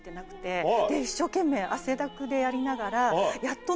一生懸命汗だくでやりながら。